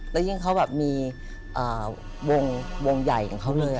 แล้วยิ่งเขาแบบมีวงใหญ่ของเขาเลย